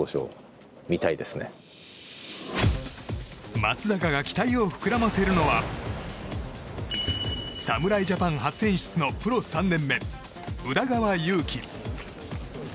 松坂が期待を膨らませるのは侍ジャパン初選出のプロ３年目宇田川優希。